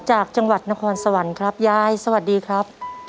จากจังหวัดนครสวรรค์ครับยายสวัสดีครับ